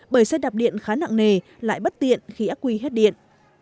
bởi xe đạp điện khá nặng nề lại bất tiện khi ác quy hết điện